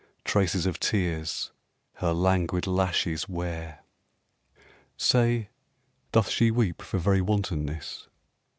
Traces of tears her languid lashes wear. Say, doth she weep for very wantonness?